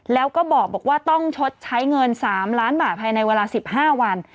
แล้วก็บอกว่าต้องชดใช้เงิน๓ล้านบาทภายในเวลา๑๕วัน